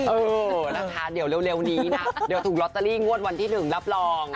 เออนะคะเดี๋ยวเร็วนี้นะเดี๋ยวถูกลอตเตอรี่งวดวันที่๑รับรอง